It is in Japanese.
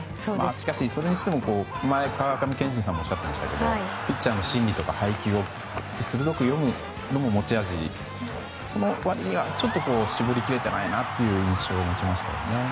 それにしても、前に川上憲伸さんもおっしゃっていましたけどピッチャーの心理とか配球を鋭く読むのも持ち味ですがその割には絞り切れていない印象を持ちましたね。